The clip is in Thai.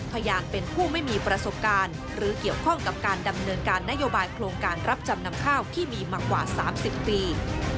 พยานเป็นผู้ไม่มีประสบการณ์หรือเกี่ยวข้องกับการดำเนินการนโยบายโครงการรับจำนำข้าวที่มีมากว่า๓๐ปี